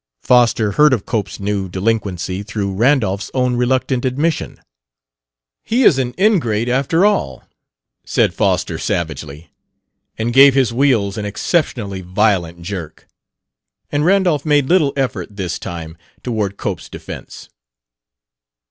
Foster heard of Cope's new delinquency, through Randolph's own reluctant admission. "He is an ingrate, after all," said Foster savagely, and gave his wheels an exceptionally violent jerk. And Randolph made little effort, this time, toward Cope's defense.